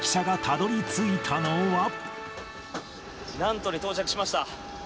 ナントに到着しました。